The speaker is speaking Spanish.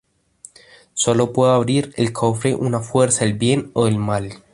Sólo pueden abrir el cofre una fuerza del Bien o del Mal.